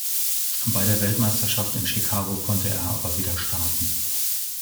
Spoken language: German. Bei der Weltmeisterschaft in Chicago konnte er aber wieder starten.